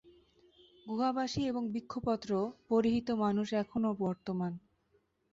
গুহাবাসী এবং বৃক্ষপত্র-পরিহিত মানুষ এখনও বর্তমান।